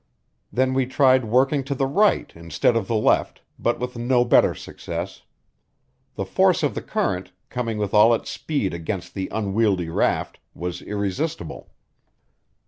Then we tried working to the right instead of the left, but with no better success. The force of the current, coming with all its speed against the unwieldy raft, was irresistible.